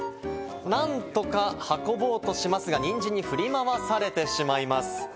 何とか運ぼうとしますが、ニンジンに振り回されてしまいます。